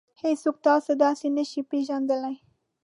هېڅوک تاسې داسې نشي پېژندلی.